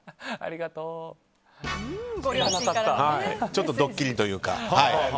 ちょっとドッキリというか。